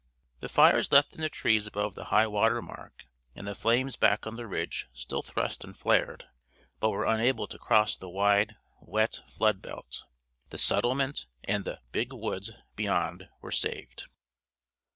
The fires left in the trees above the high water mark and the flames back on the ridge still thrust and flared, but were unable to cross the wide, wet flood belt. The settlement and the "big woods" beyond were saved.